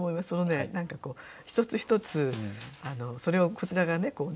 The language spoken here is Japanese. その一つ一つそれをこちらがね